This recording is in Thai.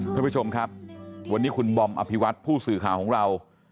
ท่านผู้ชมครับวันนี้คุณบอมอภิวัตผู้สื่อข่าวของเรา